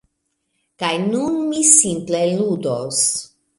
Kaj nun mi simple ludos.